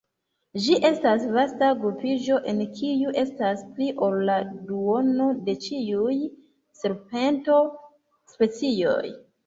Ĝi estas vasta grupiĝo en kiu estas pli ol la duono de ĉiuj serpento-specioj.